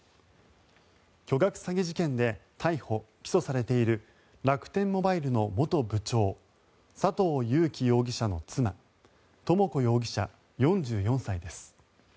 巨額詐欺事件で逮捕・起訴されている楽天モバイルの元部長佐藤友紀容疑者の妻智子容疑者、４４歳です。